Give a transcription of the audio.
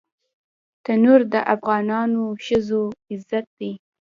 تنور د افغانو ښځو عزت دی